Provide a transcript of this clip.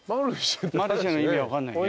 マルシェの意味分かんないね。